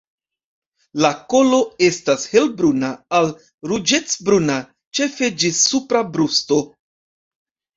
La kolo estas helbruna al ruĝecbruna ĉefe ĝis supra brusto.